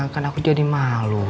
kan aku jadi malu